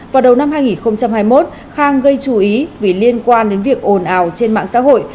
vào đầu năm hai nghìn hai mươi một khang gây chú ý vì liên quan đến việc ồn ào trên mạng xã hội